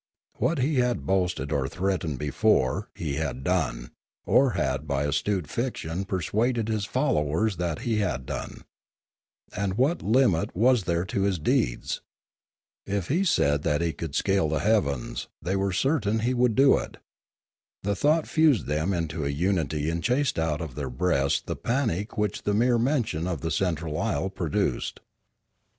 What he had boasted or threatened before, he had done, or had by astute fiction persuaded his followers that he had done; and what limit was there to his deeds ? If he said that he would scale the heavens, they were certain he would do it. The thought fused them into a unity and chased out of their breasts the panic which the mere mention of the central isle produced.